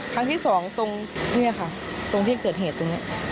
ครั้งที่สองตรงเนี่ยค่ะตรงที่เกิดเหตุตรงนี้